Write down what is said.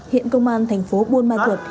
hiện công an thành phố vân thuật